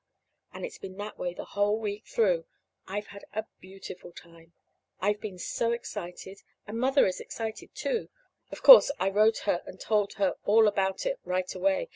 And it's been that way the whole week through. I've had a beautiful time. I've been so excited! And Mother is excited, too. Of course, I wrote her and told her all about it right away.